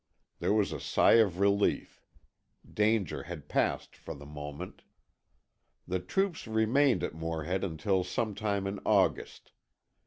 There was a sigh of relief danger had passed for the moment. The troops remained at Morehead until some time in August.